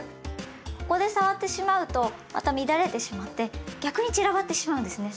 ここで触ってしまうとまた乱れてしまって逆に散らばってしまうんですね。